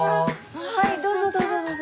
はいどうぞどうぞどうぞ。